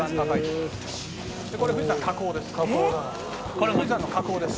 これ富士山の火口です。